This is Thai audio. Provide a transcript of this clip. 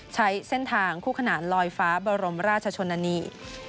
ใช้เส้นทางคู่ขนานลอยฟ้าบรมราชชนนานี